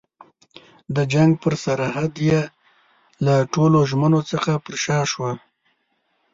د جنګ پر سرحد یې له ټولو ژمنو څخه پر شا شوه.